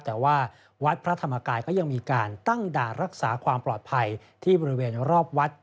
แต่ว่าวัดพระธรรมกายก็ยังมีการตั้งด่านรักษาความปลอดภัยที่บริเวณรอบวัด